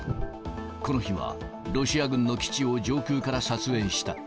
この日は、ロシア軍の基地を上空から撮影した。